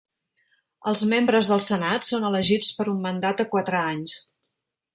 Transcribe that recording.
Els membres del Senat són elegits per un mandat de quatre anys.